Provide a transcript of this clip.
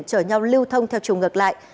chở nhau lưu thông theo chủng ngược lại